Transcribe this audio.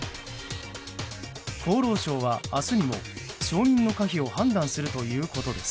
厚労省は、明日にも承認の可否を判断するということです。